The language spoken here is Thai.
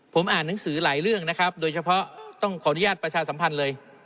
ผมอ่านหนังสือหลายเรื่องนะครับโดยเฉพาะต้องขออนุญาตประชาสัมพันธ์เลย